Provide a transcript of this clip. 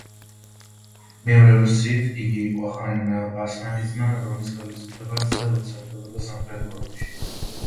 მეორე ვერსიით იგი იყო ხან ბასმანის ძმა, რომლის ხელისუფლებაც ვრცელდებოდა სამხრეთ ურალში.